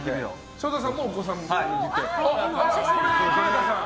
祥太さんもお子さんがいてと。